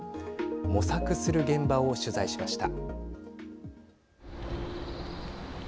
模索する現場を取材しました。